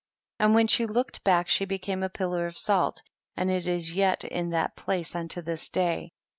53. And when slie looked back she became a piUar of salt, and it is yet in that place unto this day.